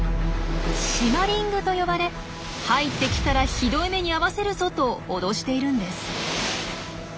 「シマリング」と呼ばれ入ってきたらひどい目に遭わせるぞと脅しているんです。